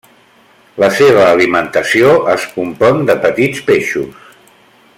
La seva alimentació es compon de petits peixos.